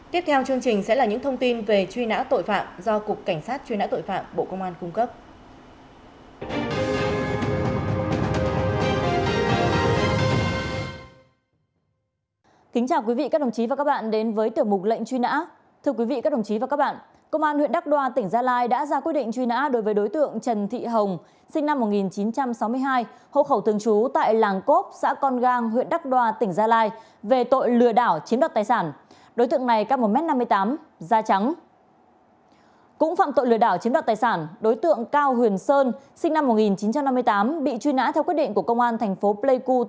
tiếp theo chương trình sẽ là những thông tin về truy nã tội phạm do cục cảnh sát truy nã tội phạm bộ công an cung cấp